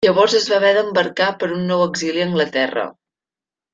Llavors es va haver d'embarcar per a un nou exili a Anglaterra.